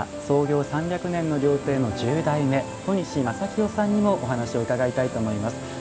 創業３００年の料亭の十代目小西将清さんにもお話を伺いたいと思います。